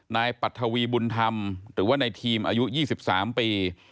ปัทวีบุญธรรมหรือว่าในทีมอายุ๒๓ปี